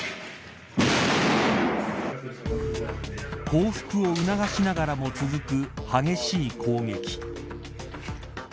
降伏を促しながらも続く激しい攻撃。